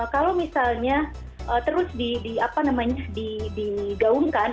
kalau misalnya terus digaungkan